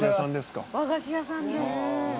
「和菓子屋さんですか？」